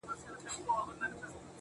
سیاه پوسي ده، افغانستان دی